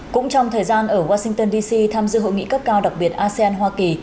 cũng trong thời gian ở washington dc tham dự hội nghị cấp cao đặc biệt asean hoa kỳ